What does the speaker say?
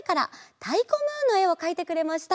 「たいこムーン」のえをかいてくれました。